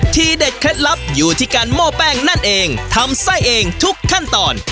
เคล็ดลับอยู่ที่การโม้แป้งนั่นเองทำไส้เองทุกขั้นตอน